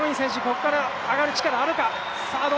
ここから上がる力あるか？